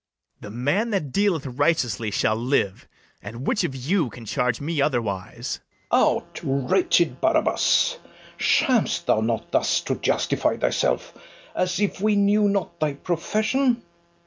The man that dealeth righteously shall live; And which of you can charge me otherwise? FERNEZE. Out, wretched Barabas! Sham'st thou not thus to justify thyself, As if we knew not thy profession?